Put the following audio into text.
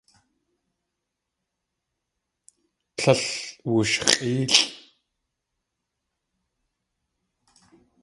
Tlél wushx̲ʼéelʼ.